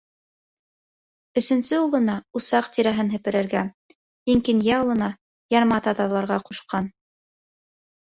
Өсөнсө улына усаҡ тирәһен һеперергә, иң кинйә улына ярма таҙаларға ҡушҡан.